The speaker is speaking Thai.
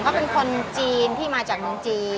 ก็เป็นคนจีนที่มาจากเมืองจีน